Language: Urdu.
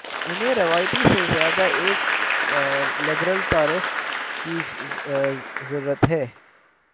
انہیں روایتی سے زیادہ ایک لبرل تعارف کی ضرت ہے۔